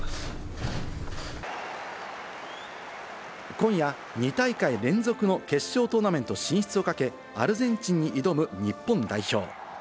今夜、２大会連続の決勝トーナメント進出をかけ、アルゼンチンに挑む日本代表。